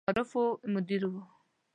پلار یې د معارفو مدیر و.